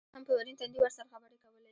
ما هم په ورين تندي ورسره خبرې کولې.